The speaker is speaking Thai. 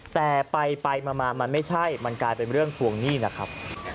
แต่ไปมามันไม่ใช่มันกลายเป็นเรื่องทวงหนี้นะครับ